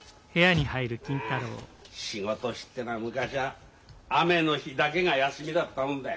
あ仕事師ってのは昔は雨の日だけが休みだったもんだよ。